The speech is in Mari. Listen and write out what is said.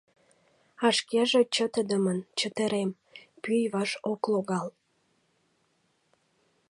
А шкеже чытыдымын чытырем, пӱй ваш ок логал.